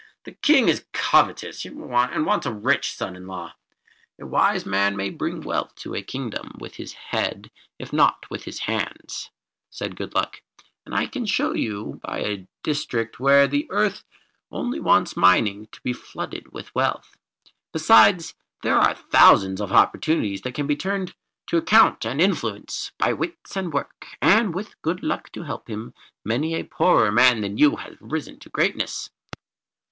"The King is covetous, and wants a rich son in law." "A wise man may bring wealth to a kingdom with his head, if not with his hands," said Good Luck, "and I can show you a district where the earth only wants mining to be flooded with wealth. Besides, there are a thousand opportunities that can be turned to account and influence. By wits and work, and with Good Luck to help him, many a poorer man than you has risen to greatness."